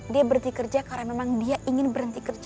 dia berhenti kerja karena memang dia ingin berhenti kerja